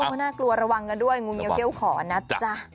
โอ๊ยน่ากลัวระวังกันด้วยงูเงียวเก้าขอนัจจ้ะ